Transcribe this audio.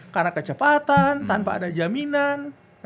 karena kecepatan tanpa ada jaminan